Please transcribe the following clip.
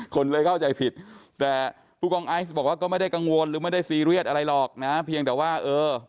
คนเลยเข้าใจผิดแต่ผู้กองไอซ์บอกว่าก็ไม่ได้กังวลหรือไม่ได้ซีเรียสอะไรหรอกนะเพียงแต่ว่าเออ